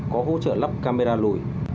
có hỗ trợ lắp camera lùi